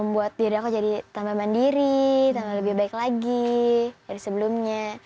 buat diri aku jadi tambah mandiri tambah lebih baik lagi dari sebelumnya